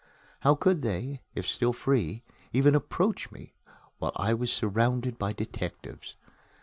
How could they, if still free, even approach me while I was surrounded by detectives?